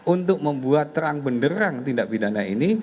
untuk membuat terang benderang tindak pidana ini